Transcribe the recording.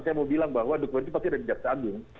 saya mau bilang bahwa dokumen itu pasti ada di jaksa agung